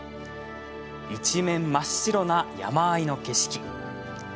一面真っ白な山あいの景色。